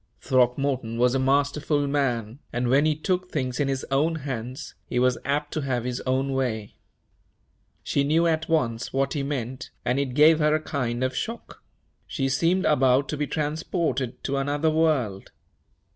Throckmorton was a masterful man, and, when he took things in his own hands, he was apt to have his own way. She knew at once what he meant, and it gave her a kind of shock she seemed about to be transported to another world.